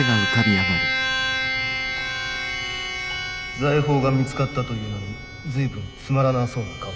財宝が見つかったというのに随分つまらなそうな顔だ。